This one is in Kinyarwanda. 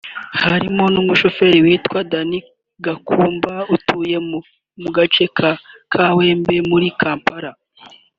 harimo n’umushoferi witwa Denis Gakumba utuye mu gace ka Kawempe muri Kampala